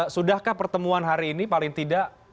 sudahkah pertemuan hari ini paling tidak